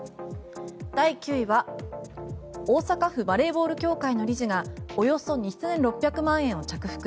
第９位は大阪府バレーボール協会の理事がおよそ２６００万円を着服。